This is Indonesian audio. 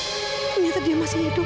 ya allah ternyata dia masih hidup